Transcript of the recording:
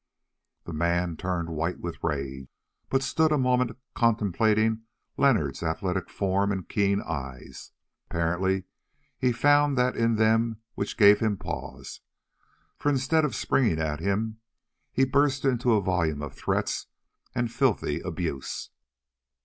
The man turned white with rage, but stood a moment contemplating Leonard's athletic form and keen eyes. Apparently he found that in them which gave him pause, for instead of springing at him, he burst into a volume of threats and filthy abuse.